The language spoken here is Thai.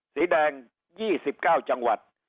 สีแดง๒๙จังหวัด